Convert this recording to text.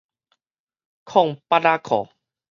空八仔褲